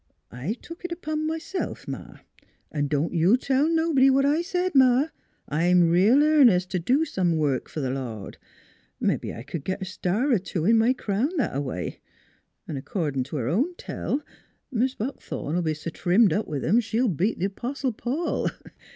I've took it upon myself, Ma. ... An' don't you tell nobody what I said, Ma. I'm reel earnest t' do some work f r th' Lord. Mebbe I c'd git a star er two in my NEIGHBORS 51 crown that a way; an' cordin' t' her own tell, Mis' Buckthorn '11 be s' trimmed up with 'em she'll beat th' 'Postle Paul.